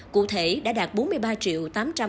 cụ thể đã đạt bốn mươi ba triệu tám trăm linh